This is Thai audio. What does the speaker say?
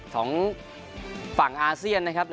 ของฝั่งอาเซียนนะครับ